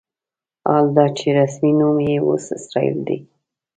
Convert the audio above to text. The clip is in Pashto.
حال دا چې رسمي نوم یې اوس اسرائیل دی.